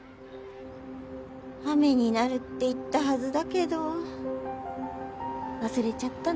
雨になるって言ったはずだけど忘れちゃったの？